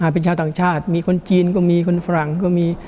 เป็นชาวต่างชาติมีคนจีนก็มีคนฝรั่งก็มี